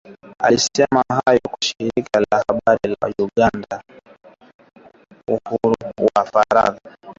Alisema hayo kwa shirika la habari la Uganda, ya kwamba wanaendelea kufanya utafiti wa sera za uhuru wa faragha.